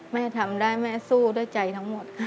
แม่ทำได้แม่สู้ด้วยใจทั้งหมดค่ะ